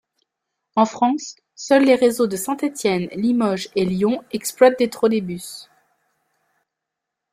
En France seuls les réseaux de Saint-Étienne, Limoges et Lyon exploitent des trolleybus.